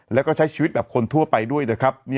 แล้วก็ใช้ชีวิตแบบคนทั่วไปด้วยนะครับ